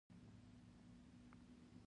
د ذهني پوهنو هغه اوج دی.